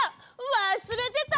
わすれてた！